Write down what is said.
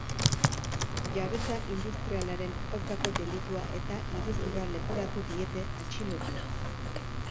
Jabetza industrialaren aurkako delitua eta iruzurra leporatu diete atxilotuei.